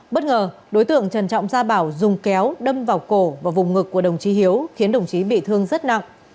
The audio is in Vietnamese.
bất ngờ đối tượng trần trọng gia bảo dùng kéo đâm vào cổ và vùng ngực của đồng chí hiếu khiến đồng chí bị thương rất nặng